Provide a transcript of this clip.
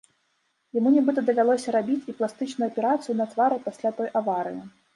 Яму нібыта давялося рабіць і пластычную аперацыю на твары пасля той аварыі.